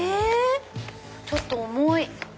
ちょっと重い！